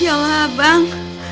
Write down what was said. ya allah bang